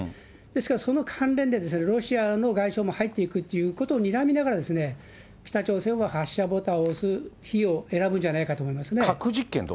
ですからその関連で、ロシアの外相も入っていくっていうようなことをにらみながら、北朝鮮は発射ボタンを押す日を選ぶんじゃないかと思うんですね。